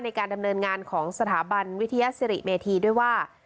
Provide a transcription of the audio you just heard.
ในการดำเนินงานของสถาบันวิทยาศิริเมธีด้วยว่า